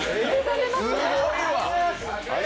すごいわ！